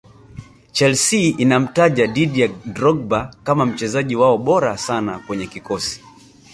chelsea inamtaja didier drogba kama mchezaji wao bora sana kwenye kikosi